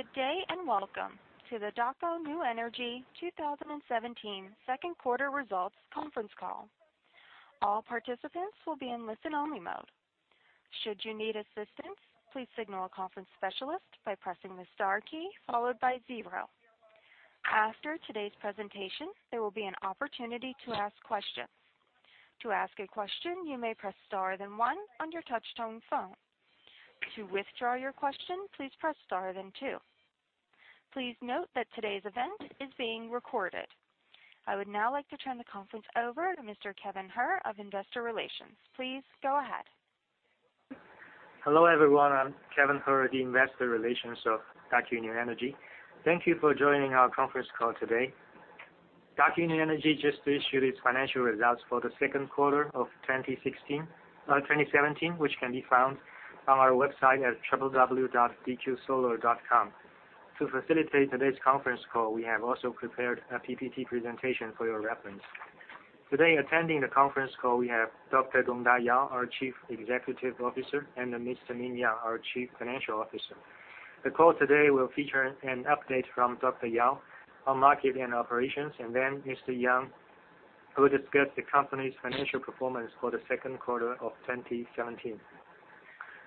Good day, and welcome to the Daqo New Energy 2017 second quarter results conference call. All participants will be in a listen-only mode. Should you need assistance, please signal a conference specialist by pressing the star key followed by zero. After today's presentation, there will be an opportunity to ask questions. To ask a question, you may press star then one on your touch-tone phone. To withdraw your question, please press star then two. Please note, this event is being recorded. I would now like to turn I would now like to turn the conference over to Mr. Kevin He of Investor Relations. Please go ahead. Hello, everyone. I'm Kevin He, the investor relations of Daqo New Energy. Thank you for joining our conference call today. Daqo New Energy just issued its financial results for the second quarter of 2016, 2017, which can be found on our website at www.dqsolar.com. To facilitate today's conference call, we have also prepared a PPT presentation for your reference. Today, attending the conference call we have Dr. Gongda Yao, our Chief Executive Officer, and Mr. Ming Yang, our Chief Financial Officer. The call today will feature an update from Dr. Yao on market and operations, and then Mr. Yang who will discuss the company's financial performance for the second quarter of 2017.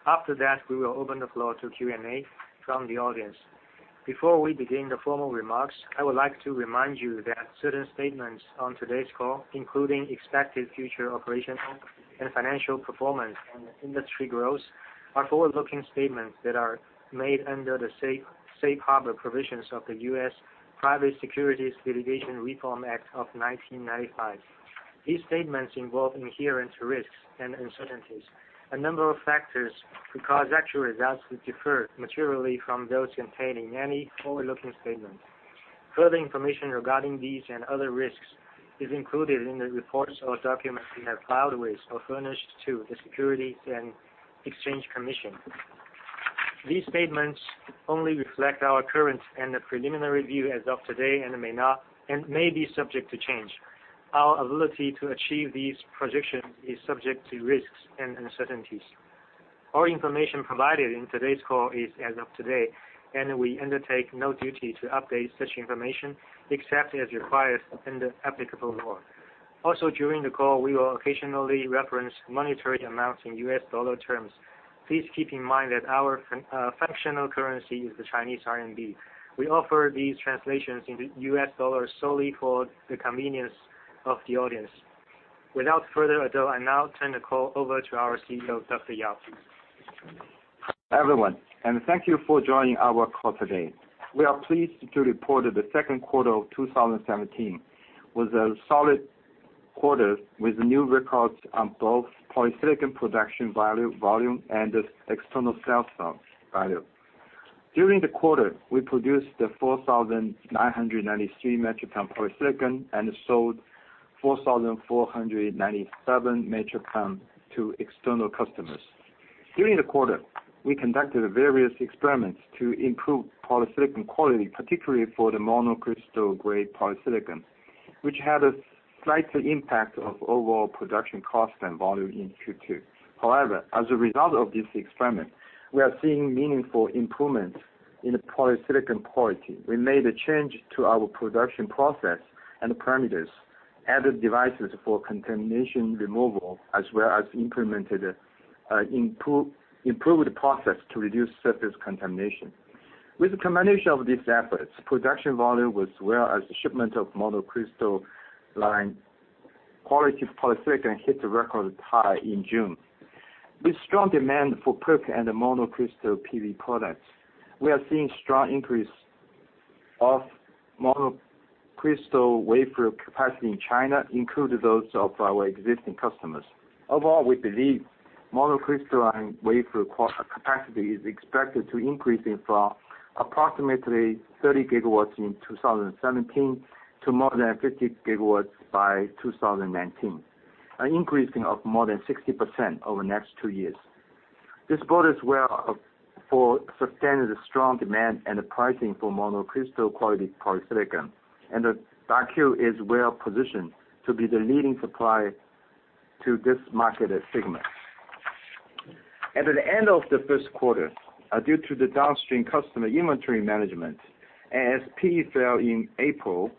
After that, we will open the floor to Q&A from the audience. Before we begin the formal remarks, I would like to remind you that certain statements on today's call, including expected future operation and financial performance and industry growth, are forward-looking statements that are made under the safe harbor provisions of the U.S. Private Securities Litigation Reform Act of 1995. These statements involve inherent risks and uncertainties. A number of factors could cause actual results to differ materially from those contained in any forward-looking statement. Further information regarding these and other risks is included in the reports or documents we have filed with or furnished to the Securities and Exchange Commission. These statements only reflect our current and the preliminary view as of today and may not and may be subject to change. Our ability to achieve these projections is subject to risks and uncertainties. All information provided in today's call is as of today. We undertake no duty to update such information except as required under applicable law. During the call, we will occasionally reference monetary amounts in U.S. dollar terms. Please keep in mind that our functional currency is the Chinese RMB. We offer these translations into U.S. dollar solely for the convenience of the audience. Without further ado, I now turn the call over to our CEO, Dr. Yao. Everyone, thank you for joining our call today. We are pleased to report that the second quarter of 2017 was a solid quarter with new records on both polysilicon production volume and external sales value. During the quarter, we produced 4,993 metric ton polysilicon and sold 4,497 metric ton to external customers. During the quarter, we conducted various experiments to improve polysilicon quality, particularly for the monocrystal-grade polysilicon, which had a slight impact of overall production cost and volume in Q2. As a result of this experiment, we are seeing meaningful improvements in the polysilicon quality. We made a change to our production process and parameters, added devices for contamination removal, as well as implemented improved the process to reduce surface contamination. With the combination of these efforts, production volume as well as the shipment of monocrystalline quality of polysilicon hit the record high in June. With strong demand for PERC and the monocrystalline PV products, we are seeing strong increase of monocrystalline wafer capacity in China, including those of our existing customers. Overall, we believe monocrystalline wafer capacity is expected to increase in from approximately 30 GW in 2017 to more than 50 GW by 2019, an increasing of more than 60% over the next two years. This bodes well for sustaining the strong demand and the pricing for monocrystalline quality polysilicon. Daqo is well-positioned to be the leading supplier to this market segment. At the end of the first quarter, due to the downstream customer inventory management, ASP fell in April,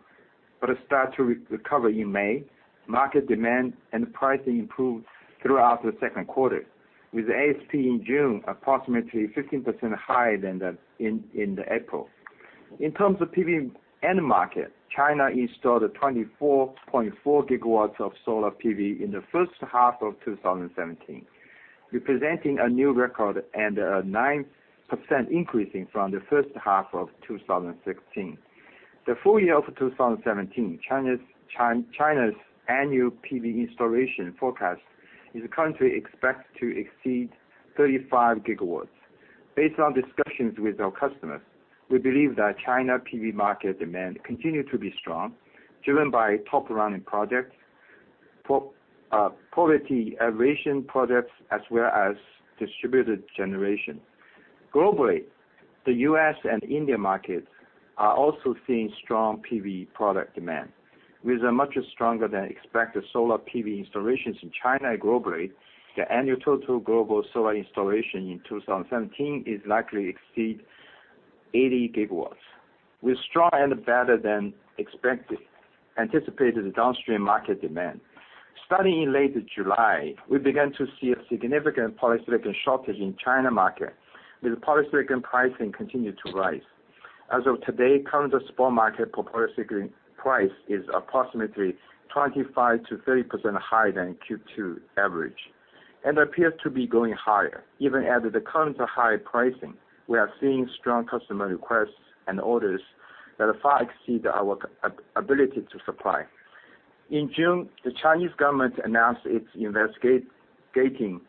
but it start to re-recover in May. Market demand and pricing improved throughout the second quarter, with ASP in June approximately 15% higher than the April. In terms of PV end market, China installed 24.4 GW of solar PV in the first half of 2017, representing a new record and a 9% increasing from the first half of 2016. The full year of 2017, China's annual PV installation forecast is currently expected to exceed 35 GW. Based on discussions with our customers, we believe that China PV market demand continue to be strong, driven by Top Runner Program projects, poverty alleviation projects, as well as distributed generation. Globally, the U.S. and India markets are also seeing strong PV product demand. With a much stronger than expected solar PV installations in China and globally, the annual total global solar installation in 2017 is likely exceed 80 GW. With strong and better than expected anticipated downstream market demand. Starting in late July, we began to see a significant polysilicon shortage in China market, with polysilicon pricing continued to rise. As of today, current spot market for polysilicon price is approximately 25%-30% higher than in Q2 average and appears to be going higher. Even at the current high pricing, we are seeing strong customer requests and orders that far exceed our ability to supply. In June, the Chinese government announced it's investigating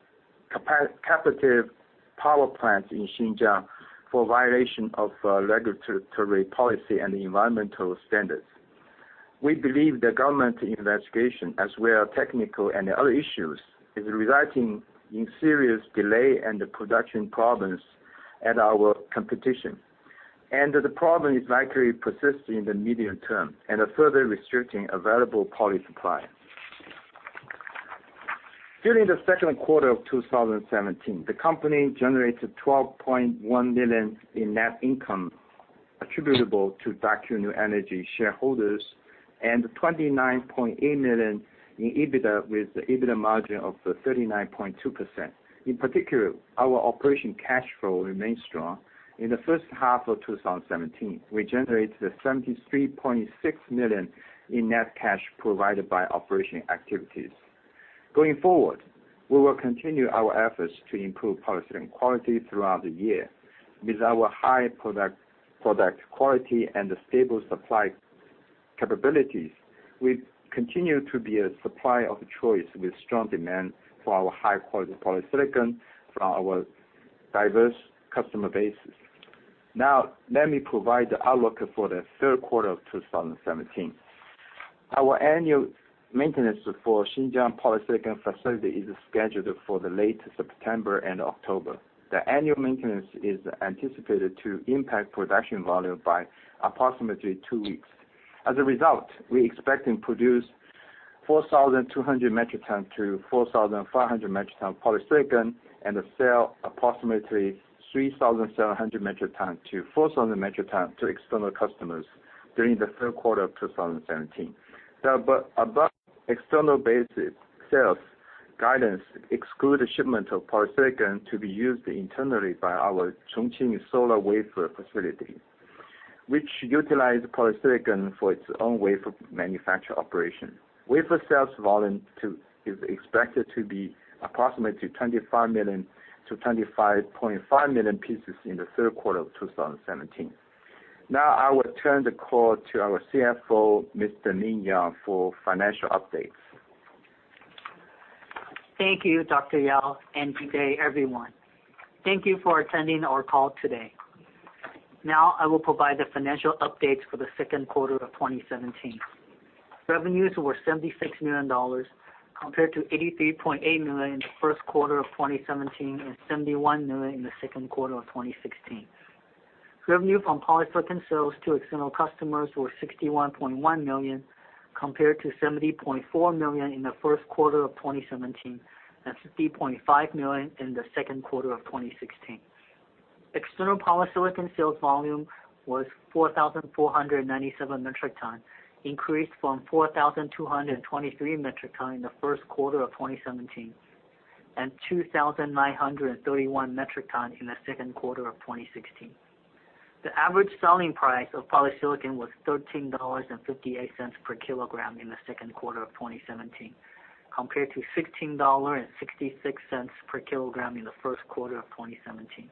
captive power plants in Xinjiang for violation of regulatory policy and environmental standards. We believe the government investigation, as well technical and other issues, is resulting in serious delay and production problems at our competition. The problem is likely persist in the medium term and are further restricting available poly supply. During the second quarter of 2017, the company generated 12.1 million in net income attributable to Daqo New Energy shareholders and 29.8 million in EBITDA, with EBITDA margin of 39.2%. In particular, our operation cash flow remained strong. In the first half of 2017, we generated 73.6 million in net cash provided by operation activities. Going forward, we will continue our efforts to improve polysilicon quality throughout the year. With our high product quality and stable supply capabilities, we continue to be a supplier of choice with strong demand for our high-quality polysilicon from our diverse customer bases. Let me provide the outlook for the third quarter of 2017. Our annual maintenance for Xinjiang polysilicon facility is scheduled for late September and October. The annual maintenance is anticipated to impact production volume by approximately two weeks. We expect to produce 4,200 metric tons-4,500 metric tons of polysilicon and sell approximately 3,700 metric tons-4,000 metric tons to external customers during the third quarter of 2017. The above external basic sales guidance exclude shipment of polysilicon to be used internally by our Chongqing solar wafer facility, which utilize polysilicon for its own wafer manufacture operation. Wafer sales volume is expected to be approximately 25 million-25.5 million pieces in the third quarter of 2017. I will turn the call to our CFO, Mr. Ming Yang, for financial updates. Thank you, Dr. Yao, and good day, everyone. Thank you for attending our call today. I will provide the financial updates for the second quarter of 2017. Revenues were $76 million compared to $83.8 million in the first quarter of 2017 and $71 million in the second quarter of 2016. Revenue from polysilicon sales to external customers were $61.1 million compared to $70.4 million in the first quarter of 2017 and $50.5 million in the second quarter of 2016. External polysilicon sales volume was 4,497 metric tons, increased from 4,223 metric tons in the first quarter of 2017 and 2,931 metric tons in the second quarter of 2016. The average selling price of polysilicon was $13.58 per kg in the second quarter of 2017 compared to $16.66 per kg in the first quarter of 2017.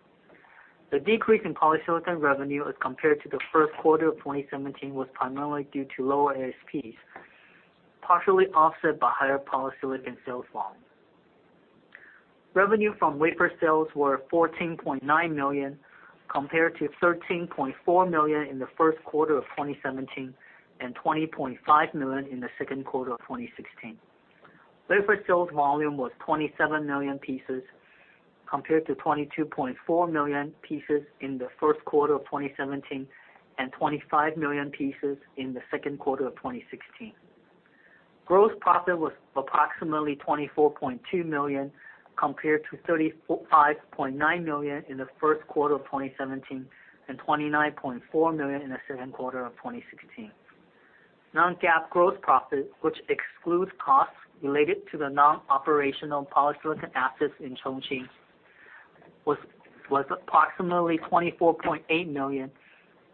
The decrease in polysilicon revenue as compared to the first quarter of 2017 was primarily due to lower ASPs, partially offset by higher polysilicon sales volume. Revenue from wafer sales were 14.9 million compared to 13.4 million in the first quarter of 2017 and 20.5 million in the second quarter of 2016. Wafer sales volume was 27 million pieces compared to 22.4 million pieces in the first quarter of 2017 and 25 million pieces in the second quarter of 2016. Gross profit was approximately 24.2 million compared to 35.9 million in the first quarter of 2017 and 29.4 million in the second quarter of 2016. Non-GAAP gross profit, which excludes costs related to the non-operational polysilicon assets in Chongqing, was approximately 24.8 million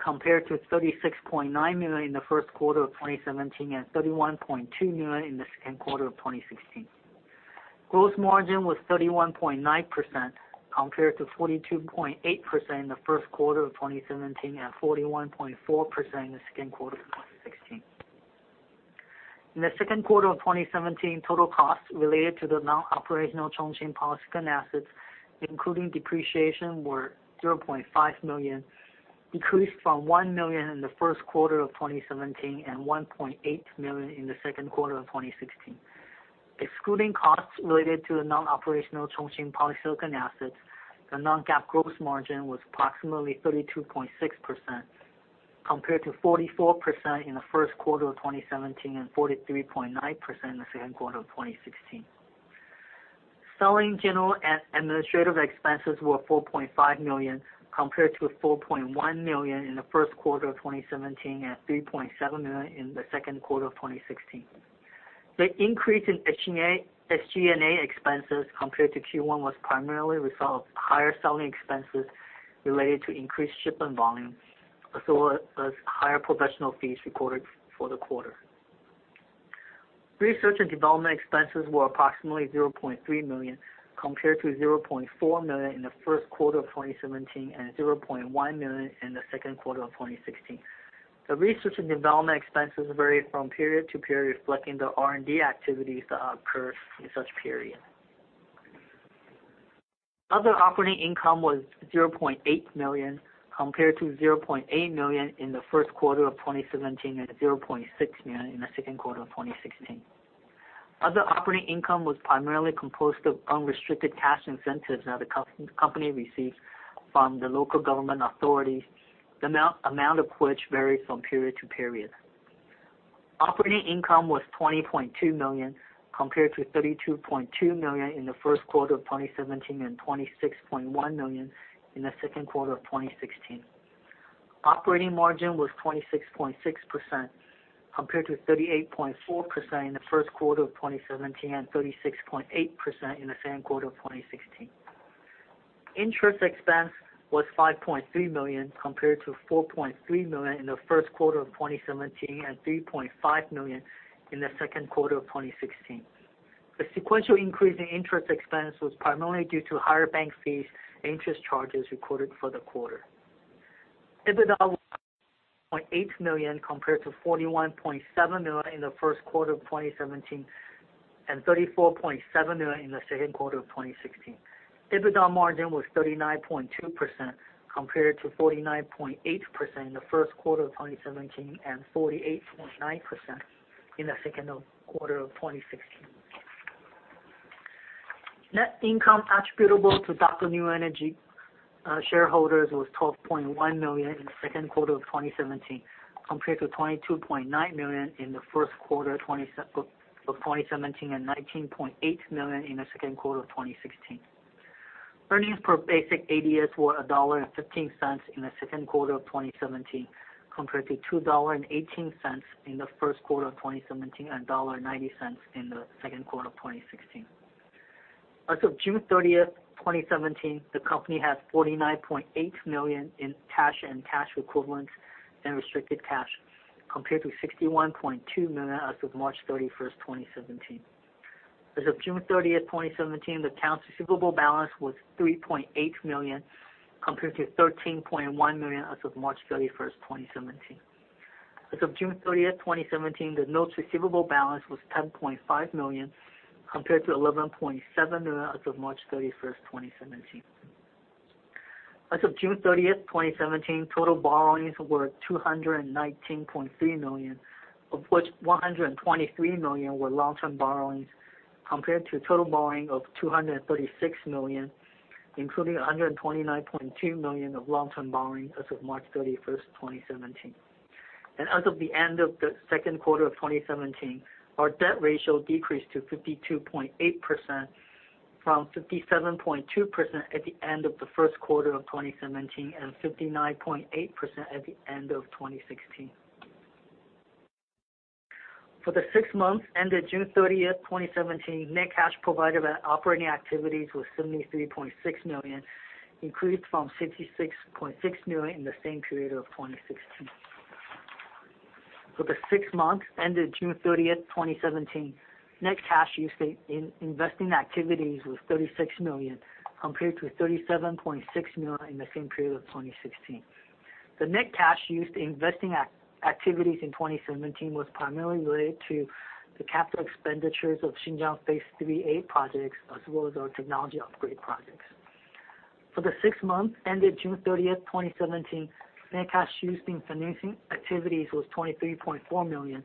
compared to 36.9 million in the first quarter of 2017 and 31.2 million in the second quarter of 2016. Gross margin was 31.9% compared to 42.8% in the first quarter of 2017 and 41.4% in the second quarter of 2016. In the second quarter of 2017, total costs related to the non-operational Chongqing polysilicon assets, including depreciation, were 0.5 million, decreased from 1 million in the first quarter of 2017 and 1.8 million in the second quarter of 2016. Excluding costs related to the non-operational Chongqing polysilicon assets, the non-GAAP gross margin was approximately 32.6% compared to 44% in the first quarter of 2017 and 43.9% in the second quarter of 2016. Selling general administrative expenses were 4.5 million compared to 4.1 million in the first quarter of 2017 and 3.7 million in the second quarter of 2016. The increase in SG&A expenses compared to Q1 was primarily result of higher selling expenses related to increased shipment volume as well as higher professional fees recorded for the quarter. Research and development expenses were approximately 0.3 million compared to 0.4 million in the first quarter of 2017 and 0.1 million in the second quarter of 2016. The research and development expenses vary from period to period, reflecting the R&D activities that occur in such period. Other operating income was 0.8 million compared to 0.8 million in the first quarter of 2017 and 0.6 million in the second quarter of 2016. Other operating income was primarily composed of unrestricted cash incentives that the company received from the local government authorities, the amount of which varies from period to period. Operating income was 20.2 million compared to 32.2 million in the first quarter of 2017 and 26.1 million in the second quarter of 2016. Operating margin was 26.6% compared to 38.4% in the first quarter of 2017 and 36.8% in the same quarter of 2016. Interest expense was 5.3 million compared to 4.3 million in the first quarter of 2017 and 3.5 million in the second quarter of 2016. The sequential increase in interest expense was primarily due to higher bank fees and interest charges recorded for the quarter. EBITDA was 0.8 million compared to 41.7 million in the first quarter of 2017 and 34.7 million in the second quarter of 2016. EBITDA margin was 39.2% compared to 49.8% in the first quarter of 2017 and 48.9% in the second quarter of 2016. Net income attributable to Daqo New Energy shareholders was 12.1 million in the second quarter of 2017 compared to $22.9 million in the first quarter of 2017 and 19.8 million in the second quarter of 2016. Earnings per basic ADS were $1.15 in the second quarter of 2017 compared to $2.18 in the first quarter of 2017 and $1.90 in the second quarter of 2016. As of June 30th, 2017, the company had 49.8 million in cash and cash equivalents and restricted cash compared to 61.2 million as of March 31st, 2017. As of June 30th, 2017, the accounts receivable balance was 3.8 million compared to 13.1 million as of March 31st, 2017. As of June 30th, 2017, the notes receivable balance was 10.5 million compared to 11.7 million as of March 31st, 2017. As of June 30th, 2017, total borrowings were 219.3 million, of which 123 million were long-term borrowings compared to total borrowing of 236 million, including 129.2 million of long-term borrowings as of March 31st, 2017. As of the end of the second quarter of 2017, our debt ratio decreased to 52.8% from 57.2% at the end of the first quarter of 2017 and 59.8% at the end of 2016. For the six months ended June 30th, 2017, net cash provided by operating activities was 73.6 million, increased from 66.6 million in the same period of 2016. For the six months ended June 30th, 2017, net cash used in investing activities was 36 million compared to 37.6 million in the same period of 2016. The net cash used in investing activities in 2017 was primarily related to the capital expenditures of Xinjiang phase III-A projects as well as our technology upgrade projects. For the six months ended June 30th, 2017, net cash used in financing activities was 23.4 million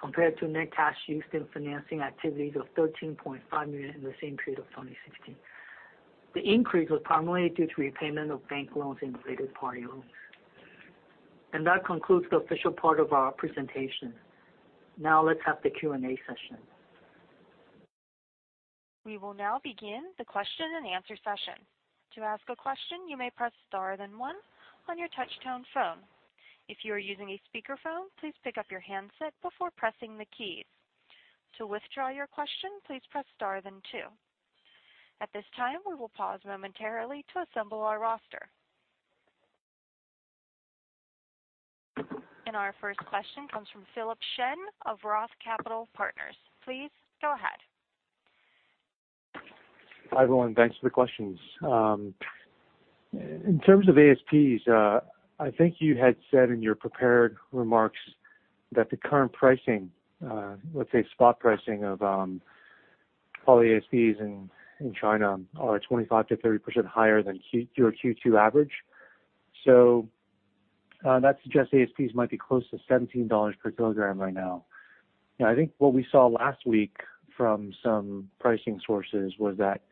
compared to net cash used in financing activities of 13.5 million in the same period of 2016. That concludes the official part of our presentation. Now let's have the Q&A session. We will now begin the question and answer session. To ask a question, you may press star then one on your touchtone phone. If you are using a speakerphone, please pick up your handset before pressing the key. To withdraw your question, please press star then two. At this time, we will pause momentarily to assemble our roster. Our first question comes from Philip Shen of Roth Capital Partners. Please go ahead. Hi, everyone. Thanks for the questions. In terms of ASPs, I think you had said in your prepared remarks that the current pricing, let's say spot pricing of poly ASPs in China are 25%-30% higher than your Q2 average. That suggests ASPs might be close to $17 per kg right now. I think what we saw last week from some pricing sources was that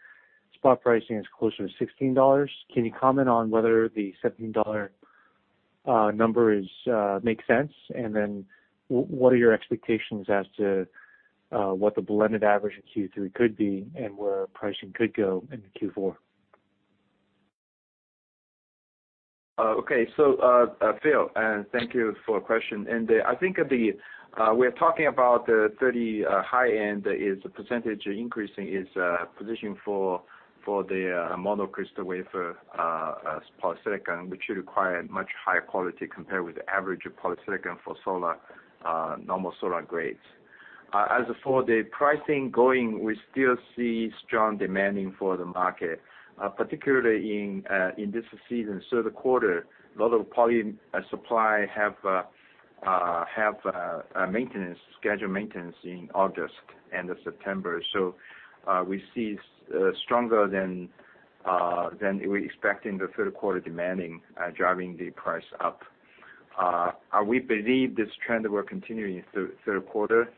spot pricing is closer to $16. Can you comment on whether the $17 number makes sense? What are your expectations as to what the blended average in Q3 could be and where pricing could go into Q4? Phil, thank you for your question. I think at the, we're talking about the 30% increase in its position for the monocrystalline wafer polysilicon, which require much higher quality compared with the average polysilicon for solar normal solar grade. As for the pricing going, we still see strong demanding for the market, particularly in this season. The quarter, a lot of poly supply have a maintenance, scheduled maintenance in August, end of September. We see stronger than we expecting the third quarter demanding, driving the price up. We believe this trend will continue in third quarter,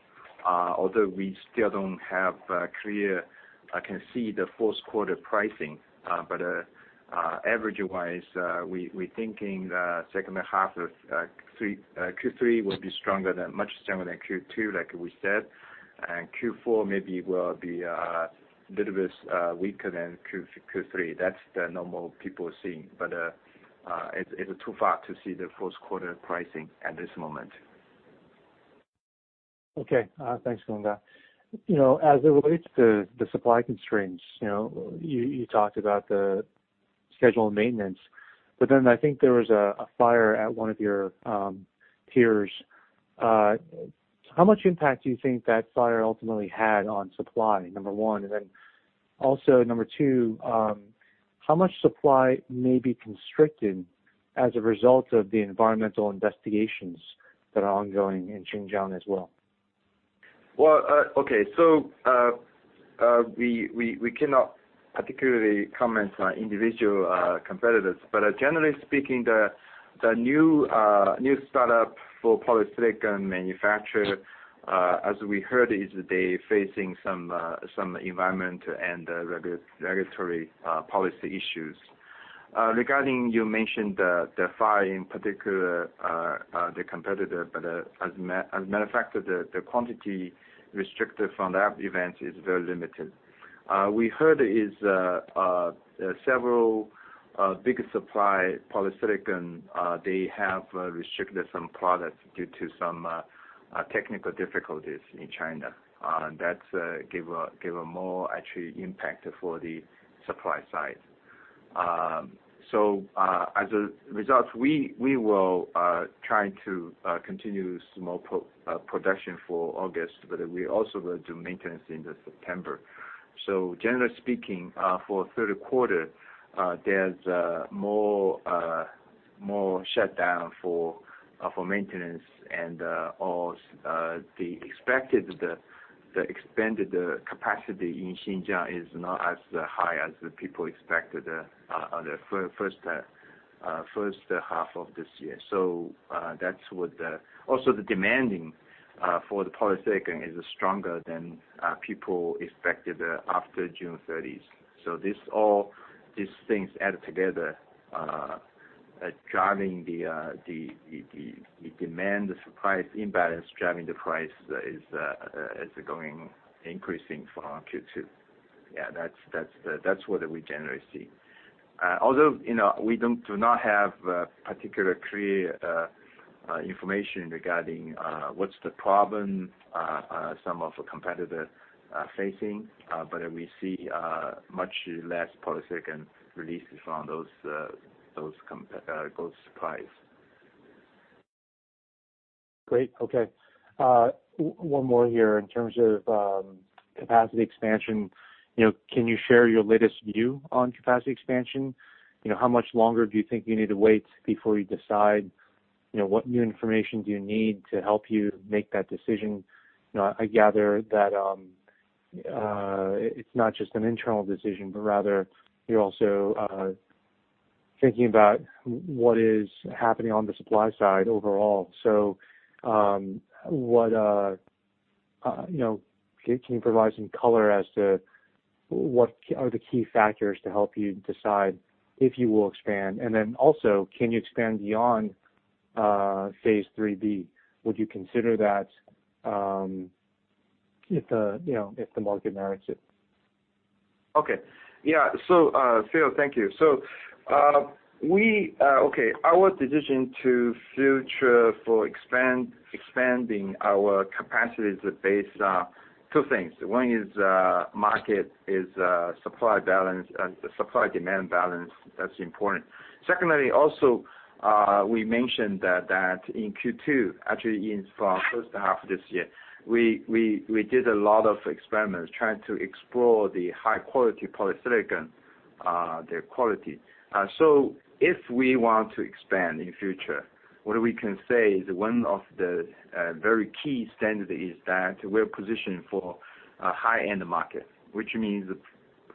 although we still don't have a clear, can see the fourth quarter pricing. Average-wise, we thinking the second half of Q3 will be stronger than, much stronger than Q2, like we said. Q4 maybe will be a little bit weaker than Q3. That's the normal people seeing. It's too far to see the first quarter pricing at this moment. Okay. Thanks, Gongda. You know, as it relates to the supply constraints, you know, you talked about the scheduled maintenance, I think there was a fire at one of your peers. How much impact do you think that fire ultimately had on supply, number one? Number two, how much supply may be constricted as a result of the environmental investigations that are ongoing in Xinjiang as well? Well, okay. We cannot particularly comment on individual competitors. Generally speaking, the new startup for polysilicon manufacturer, as we heard, is they facing some environment and regulatory policy issues. Regarding you mentioned the fire in particular, the competitor, as a matter of fact, the quantity restricted from that event is very limited. We heard is several big supply polysilicon, they have restricted some products due to some technical difficulties in China. That give a more actually impact for the supply side. As a result, we will try to continue small production for August, but we also will do maintenance in the September. Generally speaking, for third quarter, there's more, more shutdown for maintenance and, or, the expected the expanded capacity in Xinjiang is not as high as the people expected, on the first half of this year. Also, the demanding for the polysilicon is stronger than people expected after June 30th. These things add together, driving the demand, the supply imbalance driving the price is going increasing from Q2. Yeah, that's what we generally see. Although, you know, we do not have particular clear information regarding what's the problem some of the competitor are facing, but we see much less polysilicon releases from those suppliers. Great. Okay. one more here. In terms of capacity expansion, you know, can you share your latest view on capacity expansion? You know, how much longer do you think you need to wait before you decide? You know, what new information do you need to help you make that decision? You know, I gather that it's not just an internal decision, but rather you're also thinking about what is happening on the supply side overall. What, you know, can you provide some color as to what are the key factors to help you decide if you will expand? Also, can you expand beyond phase III-B? Would you consider that, if the, you know, if the market merits it? Phil, thank you. We, okay, our decision to future for expanding our capacity is based on two things. One is, market is, supply balance, supply-demand balance. That's important. Secondly, also, we mentioned that in Q2, actually in for first half of this year, we did a lot of experiments trying to explore the high-quality polysilicon, their quality. If we want to expand in future, what we can say is one of the very key standard is that we're positioned for a high-end market, which means.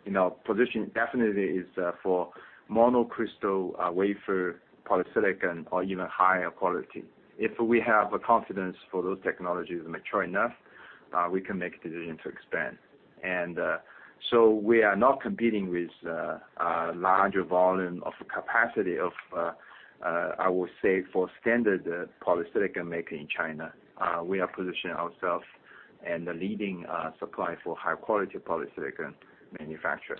You know, position definitely is for monocrystalline wafer polysilicon or even higher quality. If we have a confidence for those technologies mature enough, we can make a decision to expand. We are not competing with a larger volume of capacity of, I would say for standard polysilicon maker in China. We are positioning ourselves and the leading supply for high-quality polysilicon manufacturer.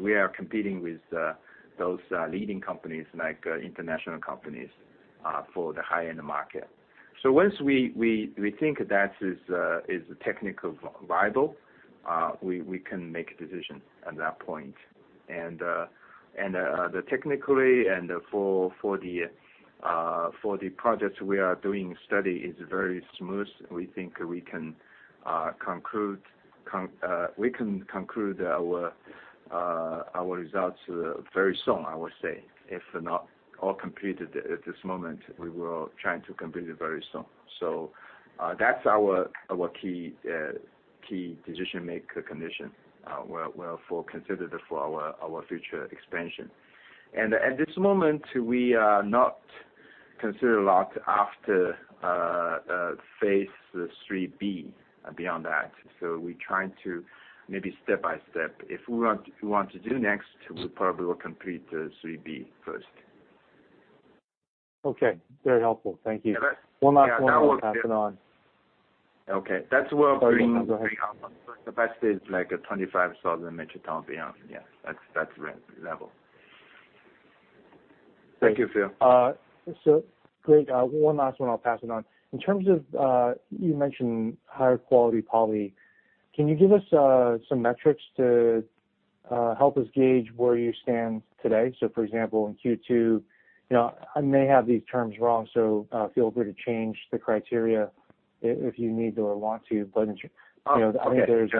We are competing with those leading companies like international companies for the high-end market. Once we think that is technical viable, we can make a decision at that point. The technically and for the projects we are doing study is very smooth. We think we can conclude our results very soon, I would say. If not all completed at this moment, we will trying to complete it very soon. That's our key decision make condition, where for consider the, for our future expansion. At this moment, we are not consider a lot after, phase III-B and beyond that. We trying to maybe step by step. If we want, we want to do next, we probably will complete, phase III-B first. Okay. Very helpful. Thank you. Yeah. One last one. Yeah. I'll pass it on. Okay. Sorry, go ahead. The capacity is like 25,000 metric ton beyond. Yeah. That's level. Thank you, Phil. Great. One last one, I'll pass it on. In terms of, you mentioned higher quality poly, can you give us some metrics to help us gauge where you stand today? For example, in Q2, you know, I may have these terms wrong, so feel free to change the criteria if you need or want to. Oh, okay. You know, I think there's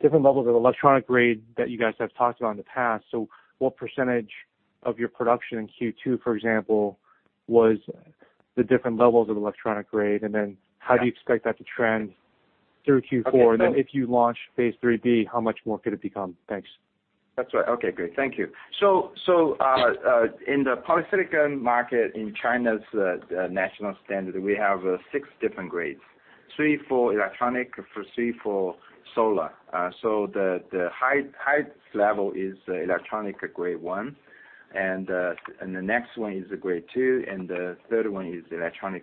different levels of electronic grade that you guys have talked about in the past. What percentage of your production in Q2, for example, was the different levels of electronic grade? How do you expect that to trend through Q4? Okay, so- If you launch phase III-B, how much more could it become? Thanks. That's right. Okay, great. Thank you. In the polysilicon market, in China's national standard, we have six different grades. Three for electronic, for three for solar. The high level is Electronic Grade 1, and the next one is Grade 2, and the third one is Electronic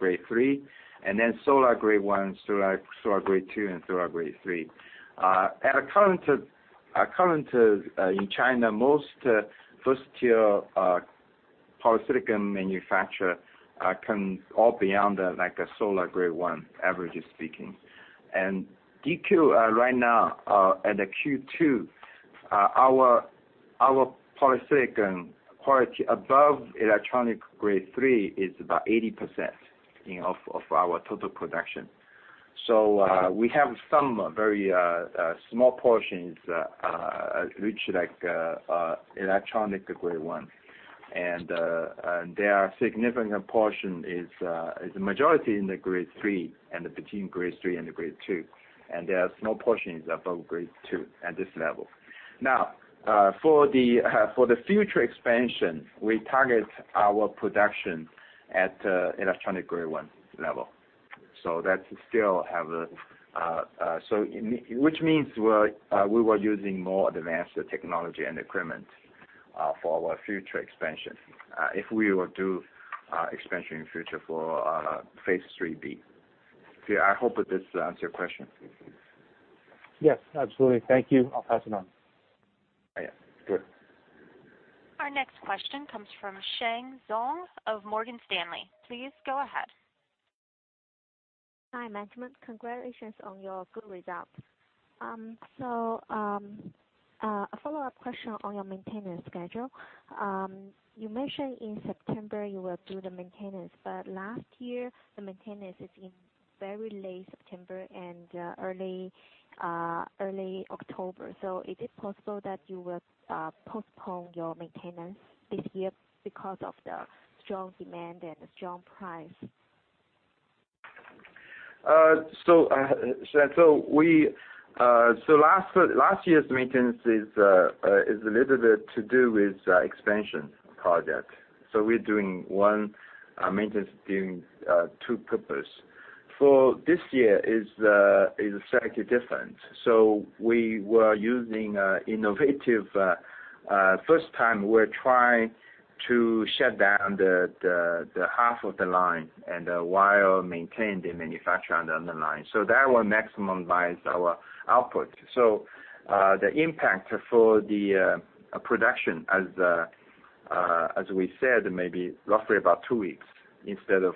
Grade 3, and then Solar Grade 1, Solar Grade 2, and Solar Grade 3. At current, in China, most first-tier polysilicon manufacturer can all be on the, like a Solar Grade 1, averagely speaking. Daqo right now, at the Q2, our polysilicon quality above Electronic Grade 3 is about 80%, you know, of our total production. We have some very small portions, which like electronic Grade 1. There are significant portion is a majority in the Grade 3 and between Grade 3 and Grade 2. There are small portions above Grade 2 at this level. For the future expansion, we target our production at electronic Grade 1 level. Which means we're, we were using more advanced technology and equipment for our future expansion, if we will do expansion in future for phase III-B. I hope this answers your question. Yes, absolutely. Thank you. I'll pass it on. Yeah. Good. Our next question comes from Sheng Zhong of Morgan Stanley. Please go ahead. Hi, management. Congratulations on your good results. A follow-up question on your maintenance schedule. You mentioned in September you will do the maintenance, but last year the maintenance is in very late September and early October. Is it possible that you will postpone your maintenance this year because of the strong demand and strong price? Sheng, we, last year's maintenance is a little bit to do with the expansion project. We're doing one maintenance doing two purpose. For this year is slightly different. We were using innovative First time we're trying to shut down the half of the line and while maintain the manufacture on the other line. That will maximize our output. The impact for the production as as we said, maybe roughly about two weeks instead of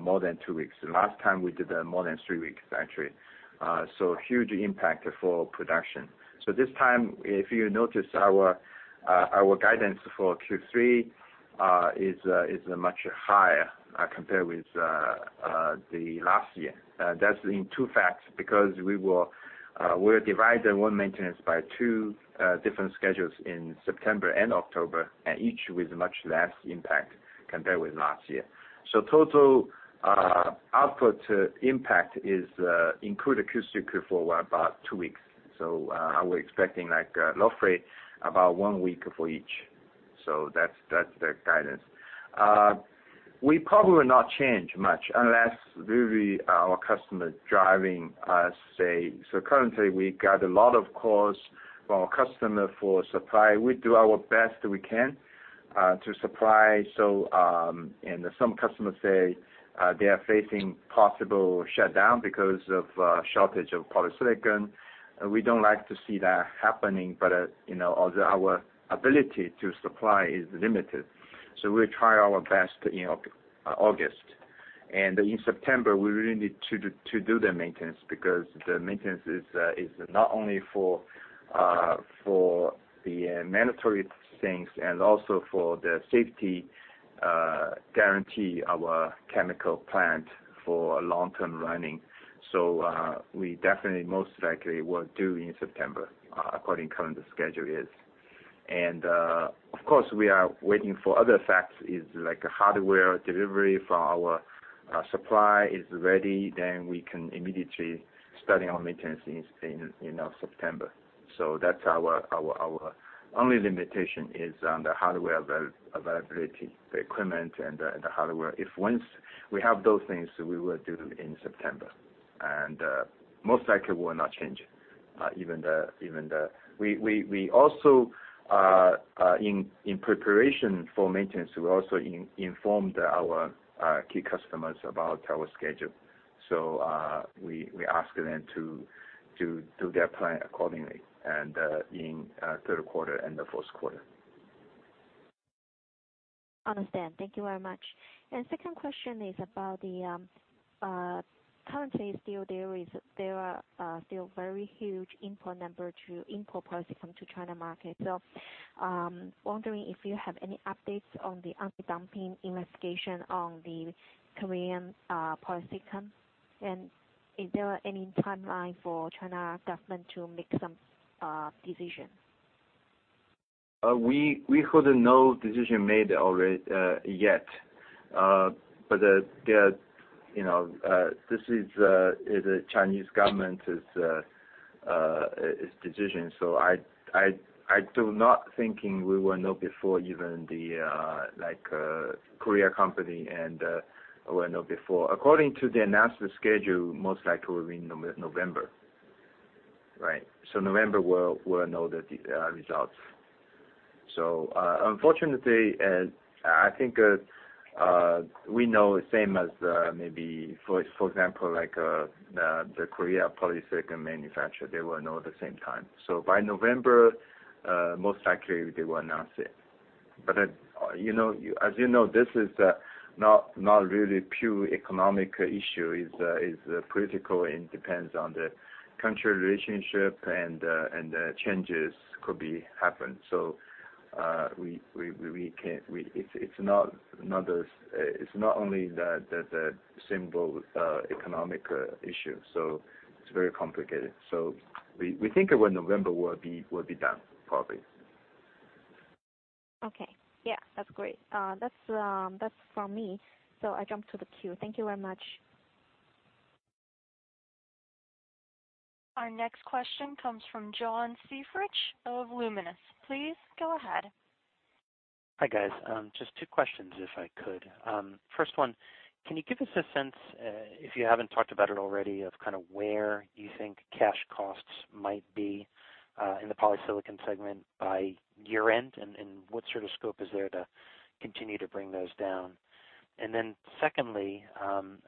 more than two weeks. Last time we did more than three weeks actually. Huge impact for production. This time, if you notice our our guidance for Q3 is much higher compared with the last year. That's in two facts because we will, we're divide the one maintenance by two different schedules in September and October, and each with much less impact compared with last year. Total output impact is include Q4 for about two weeks. We're expecting like roughly about one week for each. That's the guidance. We probably will not change much unless really our customer driving us, say. Currently, we got a lot of calls from our customer for supply. We do our best that we can to supply, so and some customers say they are facing possible shutdown because of shortage of polysilicon. We don't like to see that happening, but, you know, our ability to supply is limited. We try our best in August. In September, we really need to do the maintenance because the maintenance is not only for the mandatory things and also for the safety, guarantee our chemical plant for long-term running. We definitely most likely will do in September, according current schedule is. Of course, we are waiting for other factors, is like a hardware delivery from our supply is ready, then we can immediately starting our maintenance in September. That's our only limitation is on the hardware availability, the equipment and the hardware. If once we have those things, we will do in September. Most likely will not change. We also in preparation for maintenance, we also informed our key customers about our schedule. We ask them to do their plan accordingly and in third quarter and the fourth quarter. Understand. Thank you very much. Second question is about the currently still there are still very huge import number to import polysilicon to China market. Wondering if you have any updates on the antidumping investigation on the Korean polysilicon. Is there any timeline for China government to make some decision? We heard that no decision made already yet. The, you know, this is a Chinese government's its decision. I do not thinking we will know before even the, like, Korea company and will know before. According to the announcement schedule, most likely will be November, right? November we'll know the results. Unfortunately, I think we know same as maybe for example, like the Korea polysilicon manufacturer, they will know the same time. By November, most likely they will announce it. You know, as you know, this is not really pure economic issue. It's, it's political and depends on the country relationship and and the changes could be happen. It's not only the simple economic issue, so it's very complicated. We think around November will be done, probably. Okay. Yeah, that's great. That's from me. I jump to the queue. Thank you very much. Our next question comes from John Segrich of Luminus. Please go ahead. Hi, guys. Just two questions, if I could. First one, can you give us a sense, if you haven't talked about it already, of kinda where you think cash costs might be in the polysilicon segment by year-end? What sort of scope is there to continue to bring those down? Secondly,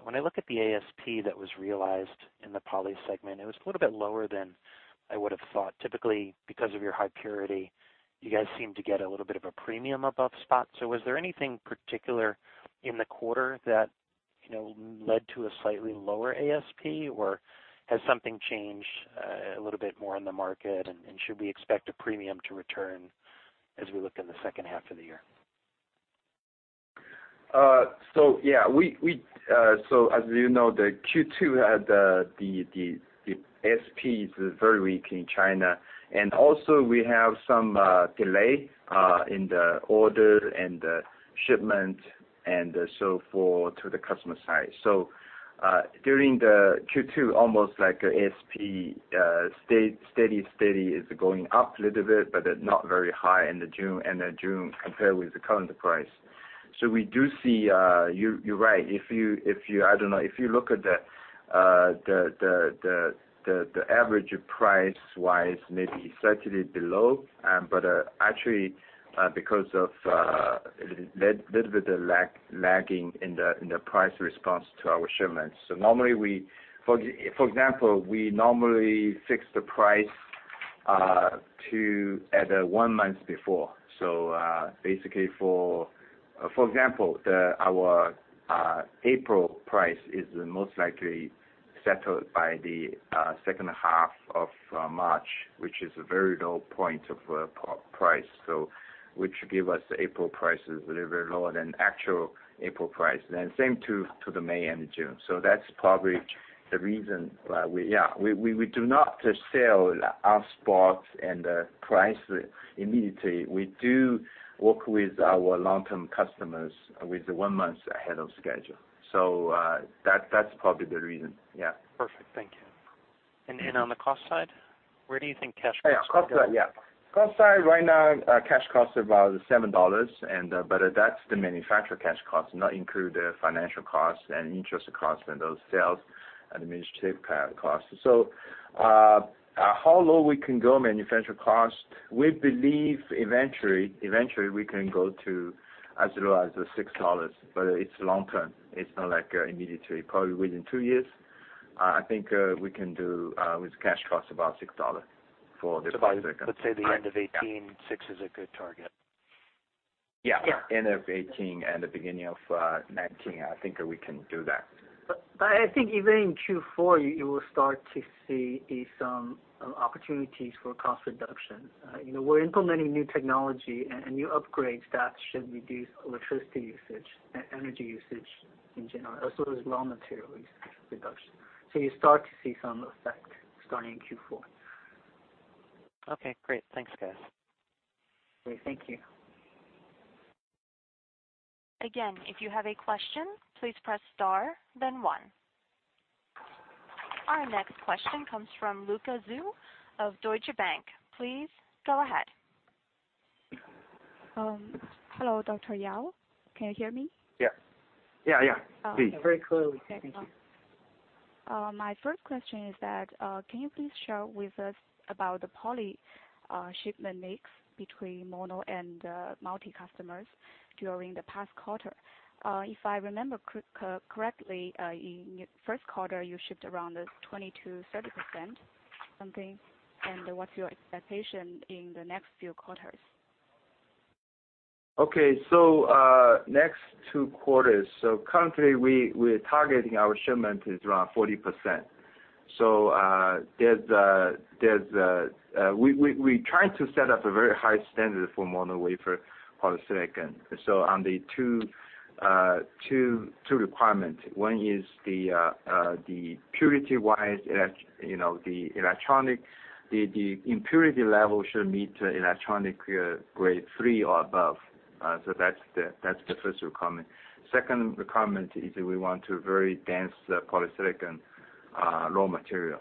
when I look at the ASP that was realized in the poly segment, it was a little bit lower than I would have thought. Typically, because of your high purity, you guys seem to get a little bit of a premium above spot. Was there anything particular in the quarter that, you know, led to a slightly lower ASP? Has something changed a little bit more in the market? Should we expect a premium to return as we look in the second half of the year? Yeah, we, as you know, the Q2 had the ASPs were very weak in China. Also, we have some delay in the order and the shipment and so forth to the customer side. During the Q2, almost like ASP stayed steady. It's going up a little bit, but not very high in the June, end of June compared with the current price. We do see, you're right. If you I don't know. If you look at the average price-wise, maybe slightly below, but actually, because of little bit of lagging in the price response to our shipments. Normally, we for example, we normally fix the price to at one month before. Basically, for example, our April price is most likely settled by the second half of March, which is a very low point of price, which give us April prices a little bit lower than actual April price. Same to the May and June. That's probably the reason why we Yeah, we do not just sell our spots and the price immediately. We do work with our long-term customers with one month ahead of schedule. That's probably the reason. Yeah. Perfect. Thank you. On the cost side, where do you think cash cost will go? Yeah, cost side right now, cash cost about $7. That's the manufacturer cash cost, not include the financial cost and interest cost and those sales and administrative costs. How low we can go manufacturer cost, we believe eventually we can go to as low as $6. It's long-term. It's not like immediately. Probably within two years, I think we can do with cash cost about $6 for the polysilicon. By, let's say the end of 2018, $6 is a good target. Yeah. Yeah. End of 2018 and the beginning of 2019, I think we can do that. I think even in Q4 you will start to see some opportunities for cost reduction. You know, we're implementing new technology and new upgrades that should reduce electricity usage and energy usage in general, as well as raw material usage reduction. You start to see some effect starting in Q4. Okay, great. Thanks, guys. Great. Thank you. Again, if you have a question, please press star then one. Our next question comes from Luka Zhu of Deutsche Bank. Please go ahead. hello, Dr. Yao. Can you hear me? Yeah. Yeah, yeah. Please. Very clearly. Thank you. Okay. My first question is that, can you please share with us about the poly shipment mix between mono and multi customers during the past quarter? If I remember correctly, in first quarter you shipped around 20%-30% something, and what's your expectation in the next few quarters? Okay. Next two quarters, currently we're targeting our shipment is around 40%. We trying to set up a very high standard for monocrystal-grade polysilicon. On the two requirement. One is the purity-wise you know, the electronic, the impurity level should meet electronic Grade 3 or above. That's the first requirement. Second requirement is that we want to very dense polysilicon raw material.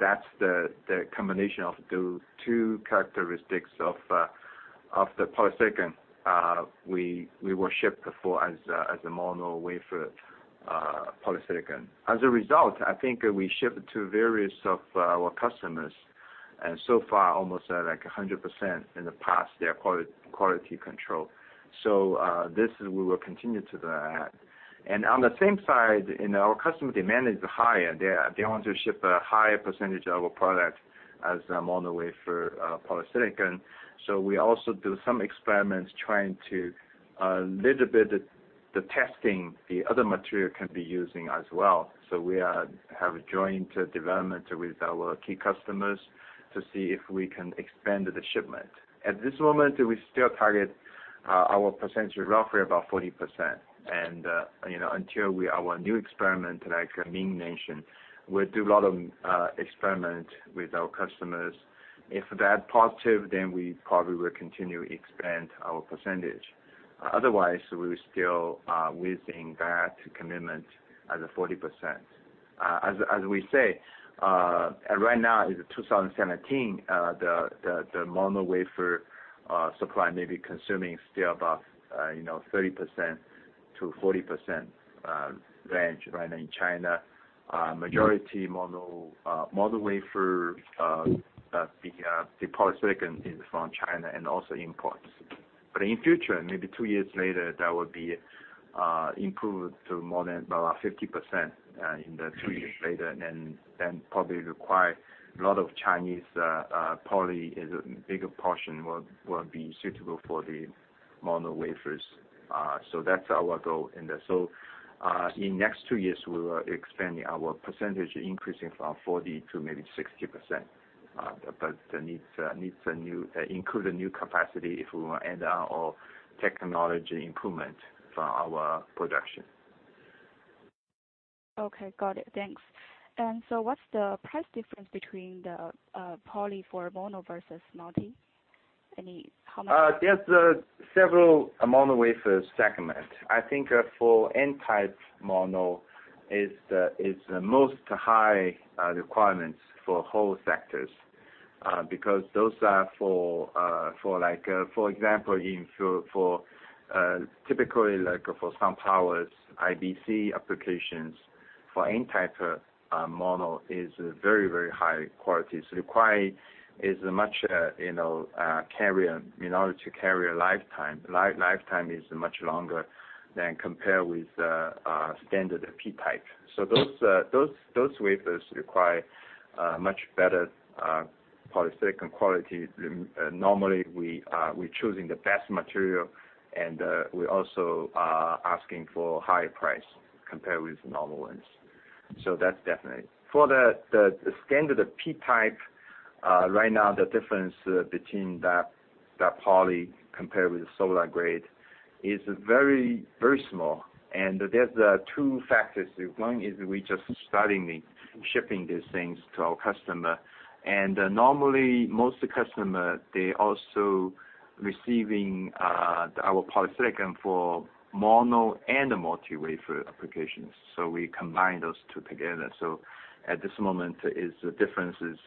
That's the combination of the two characteristics of the polysilicon we will ship for as a monocrystal-grade polysilicon. As a result, I think we ship to various of our customers, and so far almost like 100% in the past, their quality control. This we will continue to that. On the same side, you know, our customer demand is high, and they want to ship a high percentage of our product as a mono wafer polysilicon. We also do some experiments trying to little bit the testing the other material can be using as well. We have a joint development with our key customers to see if we can expand the shipment. At this moment, we still target our percentage roughly about 40%. You know, until our new experiment, like Ming mentioned, we'll do a lot of experiment with our customers. If that positive, we probably will continue expand our percentage. Otherwise, we will still within that commitment as a 40%. As, as we say, right now is 2017, the mono wafer supply may be consuming still about, you know, 30%-40% range right now in China. Majority mono wafer the polysilicon is from China and also imports. In future, maybe two years later, that would be improved to more than about 50% in the two years later and then probably require a lot of Chinese poly as a bigger portion will be suitable for the mono wafers. That's our goal in there. In next two years, we will expand our percentage increasing from 40% to maybe 60%. That needs a new include a new capacity if we wanna end our technology improvement for our production. Okay. Got it. Thanks. What's the price difference between the poly for mono versus multi? There's several mono wafer segment. I think, for N-type mono is the most high requirements for whole sectors. Those are for, like, for example, in for, typically like for SunPower's IBC applications, for N-type mono is very, very high quality. Require is much, you know, carrier, in order to carry a lifetime. Lifetime is much longer than compare with standard P-type. Those wafers require much better polysilicon quality. Normally, we choosing the best material and we also asking for higher price compared with normal ones. That's definitely. For the standard p-type, right now the difference between that poly compared with the solar grade is very, very small. There's two factors. 1 is we're just starting the shipping these things to our customer. Normally, most customer, they also receiving our polysilicon for monocrystalline and multi-wafer applications. We combine those two together. At this moment is the difference is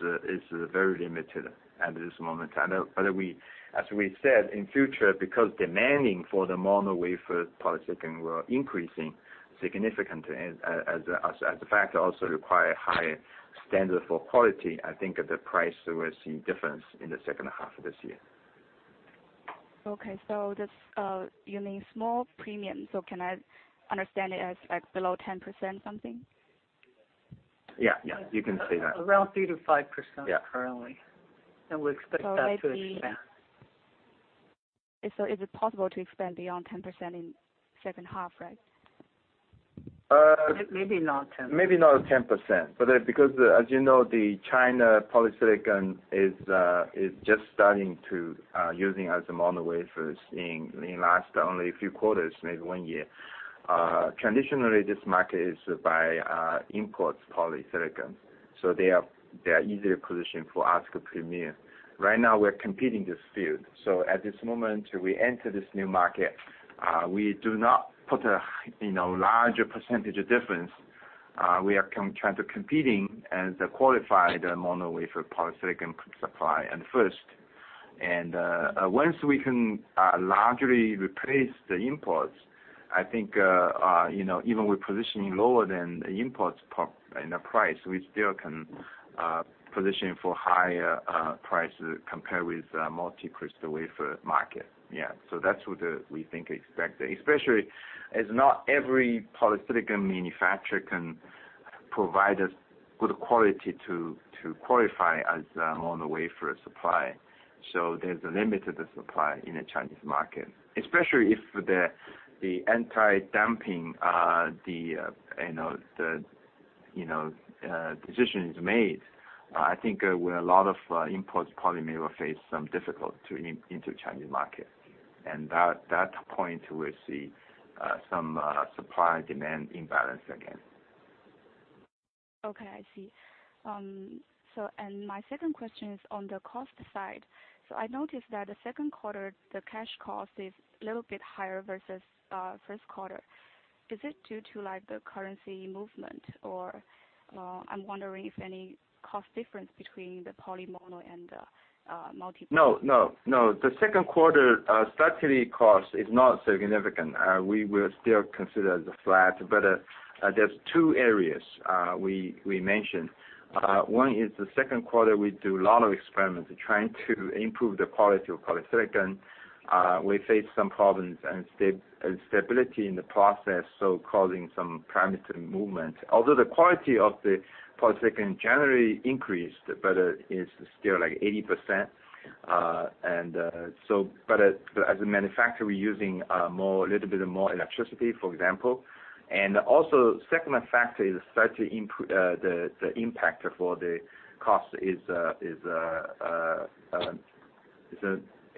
very limited at this moment. As we said, in future, because demanding for the monocrystal-grade polysilicon were increasing significantly as a factor also require higher standard for quality, I think the price we will see difference in the second half of this year. Okay. just, you mean small premium. Can I understand it as like below 10% something? Yeah, yeah. You can say that. Around 3%-5%. Yeah. -currently. We expect that to expand. Is it possible to expand beyond 10% in second half, right? Uh- May, maybe not 10. Maybe not 10%. Because as you know, the China polysilicon is just starting to using as a mono wafer seeing in last only a few quarters, maybe one year. Traditionally, this market is by imports polysilicon, so they are easier position for ask a premium. Right now, we're competing this field. At this moment, we enter this new market, we do not put a, you know, larger percentage of difference. We are trying to competing as a qualified mono wafer polysilicon supply at first. Once we can largely replace the imports, I think, you know, even with positioning lower than imports in a price, we still can position for higher prices compared with multi-crystal wafer market. Yeah. That's what we think expect. Especially, as not every polysilicon manufacturer can provide us good quality to qualify as mono wafer supply. There's a limit to the supply in the Chinese market. Especially if the anti-dumping, you know, you know, decision is made, I think, where a lot of imports probably may face some difficult to into Chinese market. That point we'll see some supply-demand imbalance again. Okay, I see. My second question is on the cost side. I noticed that the second quarter, the cash cost is a little bit higher versus first quarter. Is it due to like the currency movement? I'm wondering if any cost difference between the poly mono and the multi- The second quarter, slightly cost is not significant. We will still consider the flat. There's two areas we mentioned. One is the second quarter, we do a lot of experiments trying to improve the quality of polysilicon. We face some problems and stability in the process, causing some parameter movement. Although the quality of the polysilicon generally increased, it's still like 80%. As a manufacturer, we're using a little bit of more electricity, for example. Second factor is slightly the impact for the cost is a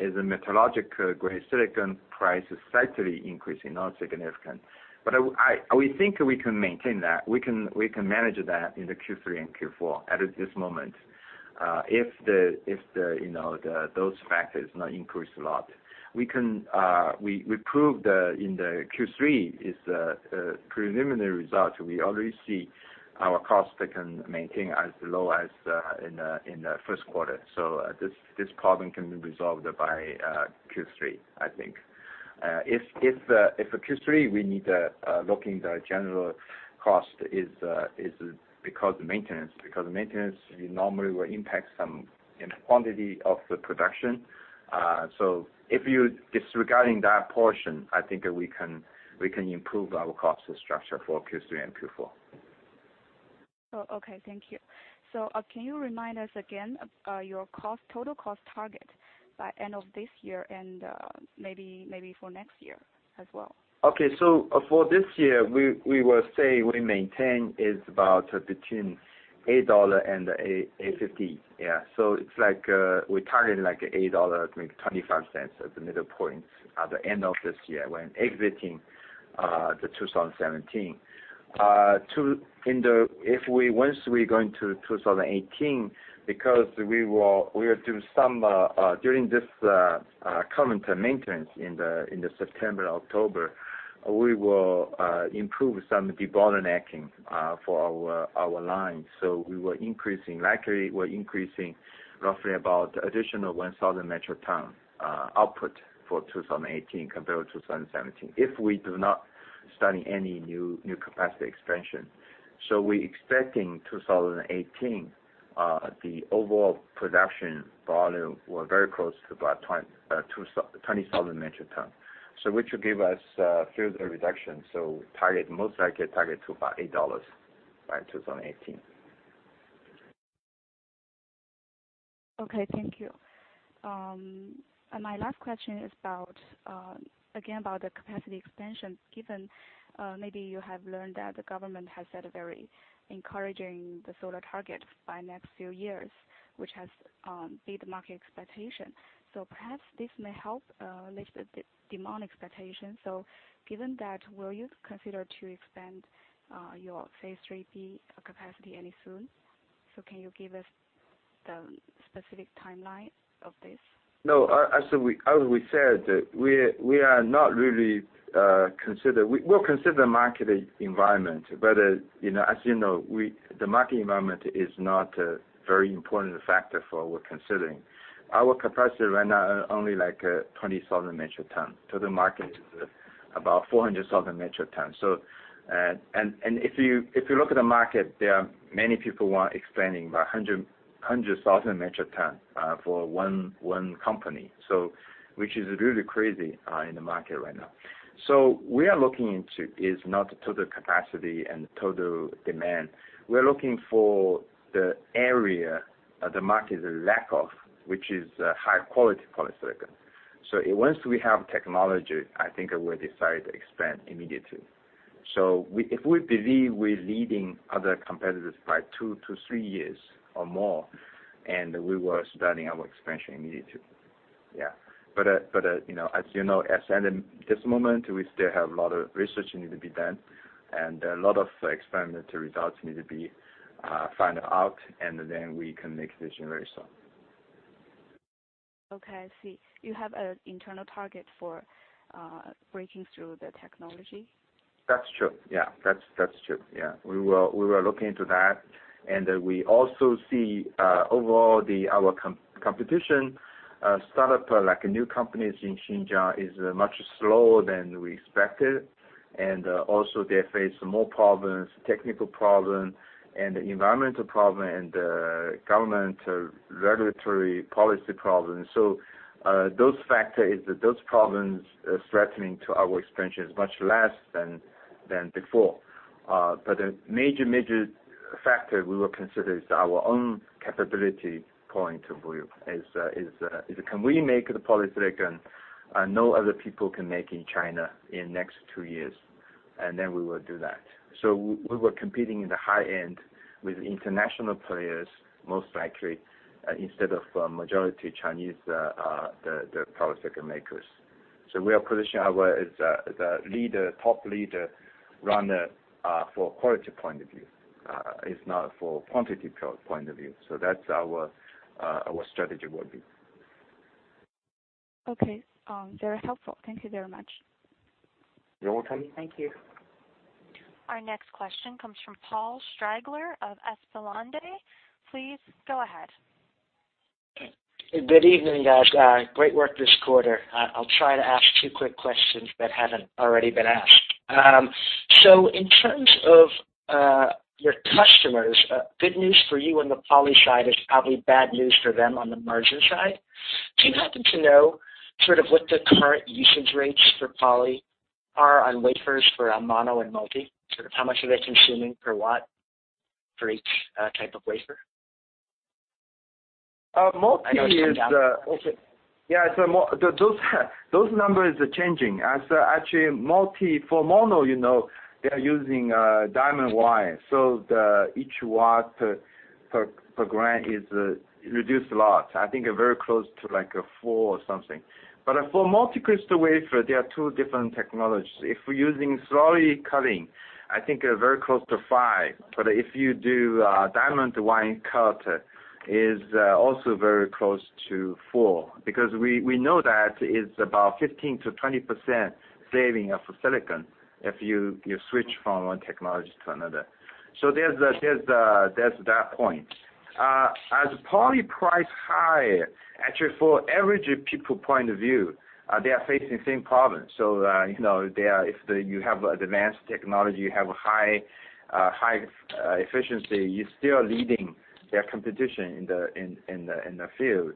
metallurgical grade silicon price is slightly increasing, not significant. We think we can maintain that. We can manage that in the Q3 and Q4 at this moment, if the, you know, those factors not increase a lot. We can prove the in the Q3 is preliminary results. We already see our costs that can maintain as low as in the first quarter. This problem can be resolved by Q3, I think. If Q3 we need look in the general cost is because maintenance. Maintenance normally will impact some in quantity of the production. If you disregarding that portion, I think we can improve our cost structure for Q3 and Q4. Okay. Thank you. Can you remind us again, your cost, total cost target by end of this year and maybe for next year as well? Okay. for this year, we will say we maintain is about between $8 and $8.50. Yeah. it's like, we target like $8 to make $0.25 as the middle point at the end of this year when exiting the 2017. Once we go into 2018, because we will do some during this coming to maintenance in the September, October, we will improve some debottlenecking for our line. we will increasing, likely we're increasing roughly about additional 1,000 metric ton output for 2018 compared to 2017, if we do not starting any new capacity expansion. We expecting 2018, the overall production volume were very close to about 20,000 metric ton. Which will give us further reduction. Target, most likely target to about $8 by 2018. Okay, thank you. My last question is about, again, about the capacity expansion, given, maybe you have learned that the government has set a very encouraging the solar target by next few years, which has beat the market expectation. Perhaps this may help lift the demand expectation. Given that, will you consider to expand your phase III-B capacity any soon? Can you give us the specific timeline of this? No. As we said, we are not really. We'll consider market environment. You know, as you know, the market environment is not a very important factor for what we're considering. Our capacity right now are only like 20,000 metric tons. Total market is about 400,000 metric tons. If you look at the market, there are many people who are expanding by 100,000 metric tons for one company. Which is really crazy in the market right now. We are looking into is not total capacity and total demand. We're looking for the area that the market is lack of, which is high-quality polysilicon. Once we have technology, I think we'll decide to expand immediately. If we believe we're leading other competitors by two to three years or more, and we will starting our expansion immediately. Yeah. You know, as you know, as at this moment, we still have a lot of research need to be done, and a lot of experimental results need to be find out, and then we can make decision very soon. Okay. I see. You have an internal target for breaking through the technology? That's true. Yeah. We were looking into that, we also see overall our competition, startup, like new companies in Xinjiang is much slower than we expected. Also they face more problems, technical problem and environmental problem and government regulatory policy problems. Those problems threatening to our expansion is much less than before. The major factor we will consider is our own capability point of view. Can we make the polysilicon no other people can make in China in next two years? Then we will do that. We were competing in the high end with international players, most likely, instead of majority Chinese the polysilicon makers. We are positioning our as the leader, top leader runner, for quality point of view. It's not for quantity point of view. That's our strategy will be. Okay. Very helpful. Thank you very much. You're welcome. Thank you. Our next question comes from Paul Strigler of Esplanade. Please go ahead. Good evening, guys. Great work this quarter. I'll try to ask two quick questions that haven't already been asked. In terms of your customers, good news for you on the poly side is probably bad news for them on the margin side. Do you happen to know sort of what the current usage rates for poly are on wafers for mono and multi? Sort of how much are they consuming per watt for each type of wafer? Uh, multi is the- I know it's gone down. Okay. Yeah. Those numbers are changing. As actually for mono, you know, they are using diamond wire. The each watt per gram is reduced a lot. I think a very close to like a four or something. For multi-crystal wafer, there are two different technologies. If we're using slurry cutting, I think, very close to five. If you do diamond wire cut, is also very close to four. Because we know that it's about 15%-20% saving of silicon if you switch from one technology to another. There's that point. As poly price high, actually for average people point of view, they are facing same problem. You know, if you have advanced technology, you have a high efficiency, you're still leading their competition in the field.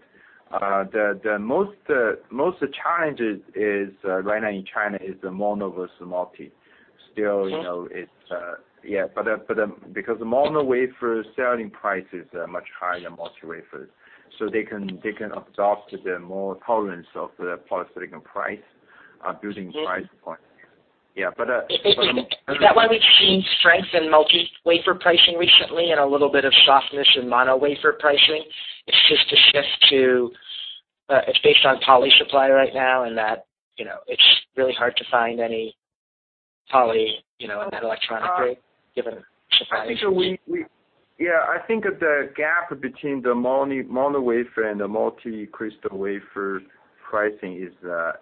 The most challenges is right now in China is the mono versus multi. So- It's Yeah. Because the mono wafer selling price is much higher than multi wafers. They can absorb the more tolerance of the polysilicon price using price point. Yeah. Is that why we've seen strength in multi-wafer pricing recently and a little bit of softness in mono wafer pricing? It's just a shift to, it's based on poly supply right now and that, you know, it's really hard to find any poly, you know, in that electronic grade given supply issues. Actually, we I think the gap between the mono wafer and the multi-crystal wafer pricing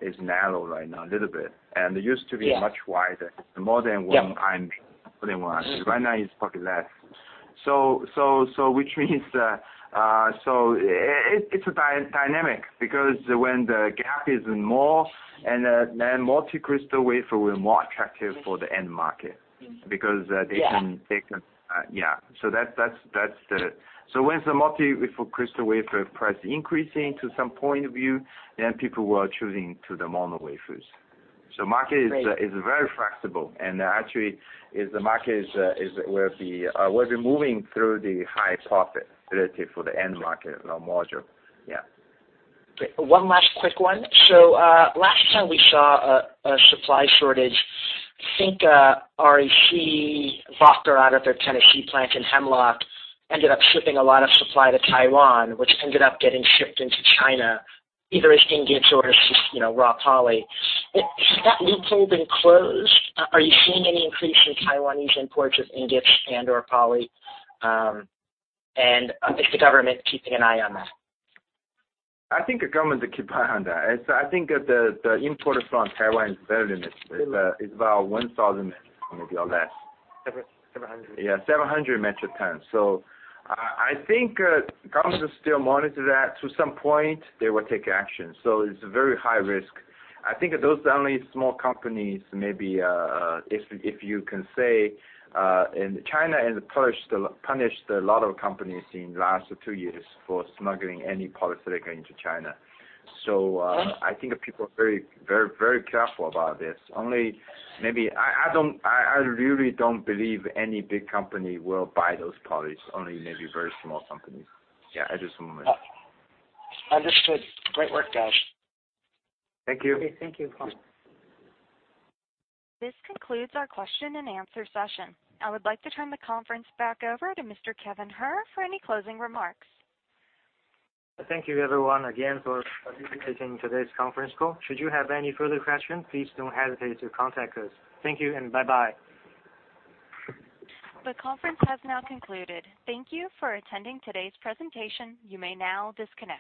is narrow right now a little bit. Yeah much wider, more than 100. Yeah. More than 100. Right now, it's probably less. Which means, it's a dynamic because when the gap is more and, then multi-crystal wafer will more attractive for the end market. Yeah. They can. Yeah. That's the once the multicrystal wafer price increasing to some point of view, then people were choosing to the mono wafers. Market is very flexible. Actually, the market will be moving through the high profit relative for the end market module. Yeah. Okay. One last quick one. Last time we saw a supply shortage, I think I see Wacker out of their Tennessee plant in Hemlock, ended up shipping a lot of supply to Taiwan, which ended up getting shipped into China, either as ingots or as just, you know, raw poly. Has that loophole been closed? Are you seeing any increase in Taiwanese imports of ingots and/or poly? Is the government keeping an eye on that? I think the government is keeping an eye on that. I think the importer from Taiwan is very limited. It's about 1,000 metric tons or maybe less. seven, 700. Yeah. 700 metric ton. I think, government will still monitor that to some point they will take action. It's a very high risk. I think those are only small companies. Maybe, if you can say, China has punished a lot of companies in last two years for smuggling any polysilicon into China. I think people are very careful about this. Only maybe I really don't believe any big company will buy those polys, only maybe very small companies. Understood. Great work, guys. Thank you. Okay, thank you. Bye. This concludes our question and answer session. I would like to turn the conference back over to Mr. Kevin He for any closing remarks. Thank you everyone again for participating in today's conference call. Should you have any further questions, please don't hesitate to contact us. Thank you and bye-bye. The conference has now concluded. Thank you for attending today's presentation. You may now disconnect.